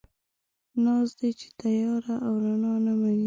ناز دی، چې تياره او رڼا نه مني